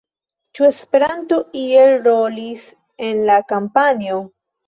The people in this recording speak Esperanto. Ĉu Esperanto iel rolis en la kampanjo?